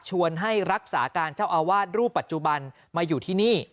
ให้รักษาการเจ้าอาวาสรูปปัจจุบันมาอยู่ที่นี่